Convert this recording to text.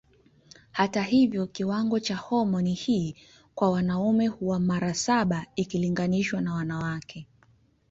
Hata hivyo kiwango cha homoni hii kwa wanaume huwa mara saba ikilinganishwa na wanawake.